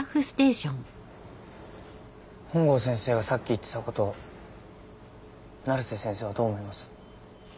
本郷先生がさっき言ってたこと成瀬先生はどう思います？